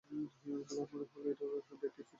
তার মানে হলো, এটাই বাককে ফিরিয়ে আনার সময়।